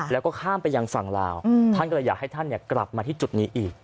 แล้วก็ข้ามไปยังฝั่งลาวท่านก็เลยอยากให้ท่านกลับมาที่จุดนี้อีก